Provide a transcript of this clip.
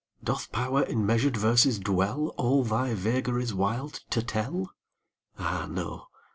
Doth power in measured verses dwell, All thy vagaries wild to tell? Ah, no!